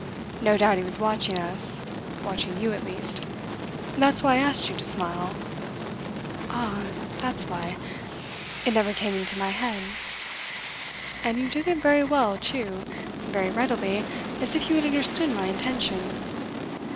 No doubt he was watching us watching you, at least. That's why I asked you to smile." "Ah, that's why. It never came into my head!" "And you did it very well, too very readily, as if you had understood my intention."